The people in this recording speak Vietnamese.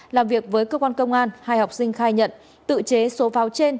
làm việc với cơ quan công an hai học sinh khai nhận tự chế số pháo trên